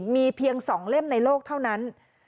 มีเพียง๒เล่มในโลกเท่านั้น